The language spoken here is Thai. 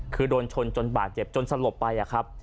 คือโดนชนจนบาดเจ็บจนสลบไปครับ